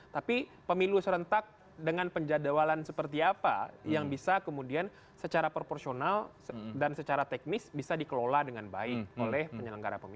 tapi pemilu serentak dengan penjadwalan seperti apa yang bisa kemudian secara proporsional dan secara teknis bisa dikelola dengan baik oleh penyelenggara pemilu